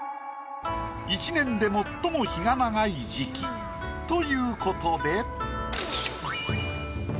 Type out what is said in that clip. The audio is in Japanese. １年で最も日が長い時期ということで。